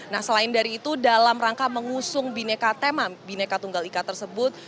nah selain dari itu dalam rangka mengusung bineka tunggal ika tersebut